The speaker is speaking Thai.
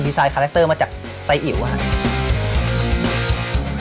ดีไซน์คาแรกเตอร์มาจากไซ่อิวครับ